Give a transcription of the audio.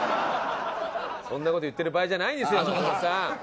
そんな事言ってる場合じゃないんですよ松本さん。